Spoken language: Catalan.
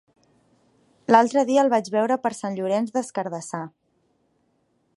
L'altre dia el vaig veure per Sant Llorenç des Cardassar.